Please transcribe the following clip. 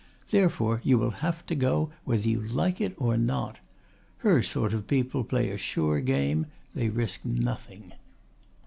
Therefore you will have to go, whether you like it or not. Her sort of people play a sure game, they risk nothing."